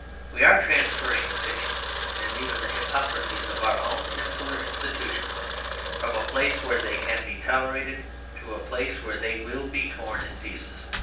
We are transferring the fictions and even the hypocrisies of our own insular institutions from a place where they can be tolerated to a place where they will be torn in pieces.